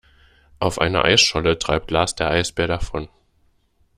Auf einer Eisscholle treibt Lars der Eisbär davon.